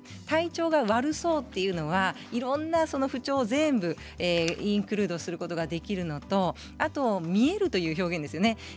体調が悪そうというのはいろんな不調を全部インクルードすることができるのと見えるという表現ですね。